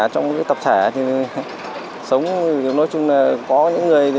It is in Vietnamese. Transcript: trong tập thể thì sống nói chung là có những người